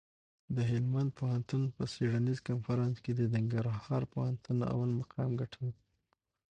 د هلمند پوهنتون په څېړنیز کنفرانس کي د کندهار پوهنتون اول مقام ګټل.